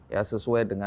ya sesuai dengan